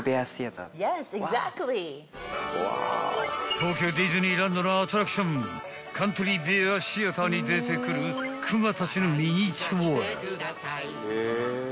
［東京ディズニーランドのアトラクションカントリーベア・シアターに出てくるクマたちのミニチュア］